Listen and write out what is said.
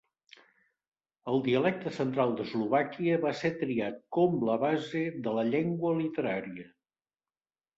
El dialecte central d'Eslovàquia va ser triat com la base de la llengua literària.